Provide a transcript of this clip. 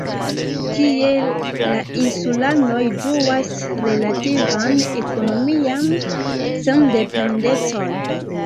Tiel la insulanoj ĝuas relativan ekonomian sendependecon.